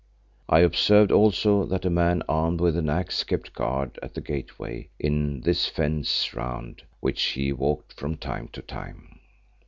I observed also that a man armed with an axe kept guard at the gateway in this fence round which he walked from time to time.